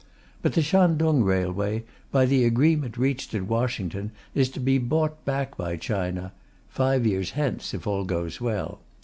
But the Shantung Railway, by the agreement reached at Washington, is to be bought back by China five years hence, if all goes well.